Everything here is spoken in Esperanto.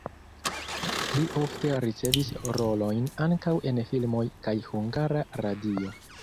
Ŝi ofte ricevis rolojn ankaŭ en filmoj kaj Hungara Radio.